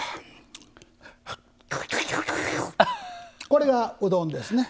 これが、うどんですね。